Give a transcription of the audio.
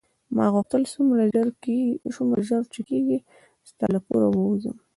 ما غوښتل څومره ژر چې کېږي ستا له کوره ووځم.